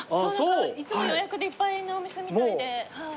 いつも予約でいっぱいなお店みたいで。